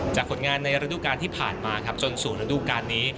ผลงานในฤดูการที่ผ่านมาครับจนสู่ระดูการนี้